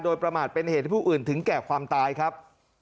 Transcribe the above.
โดยประมาทเป็นเหตุให้ผู้อื่นถึงแก่ความตายครับ